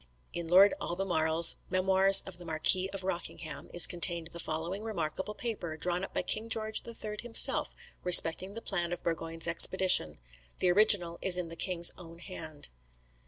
[In Lord Albemarle's "Memoirs of the Marquis of Rockingham." is contained the following remarkable state paper, drawn up by King George III himself respecting the plan of Burgoyne's expedition. The original is in the king's own hand.